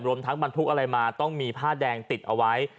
ทั้งบรรทุกอะไรมาต้องมีผ้าแดงติดเอาไว้